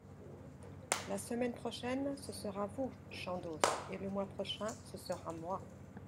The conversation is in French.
La semaine prochaine ce sera vous, Chandos, et le mois prochain ce sera moi.